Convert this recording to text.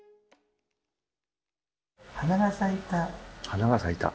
花が咲いた。